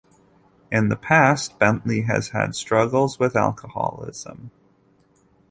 In the past, Bentley has had struggles with alcoholism.